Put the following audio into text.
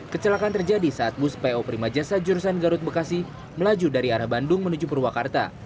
kecelakaan terjadi saat bus po prima jasa jurusan garut bekasi melaju dari arah bandung menuju purwakarta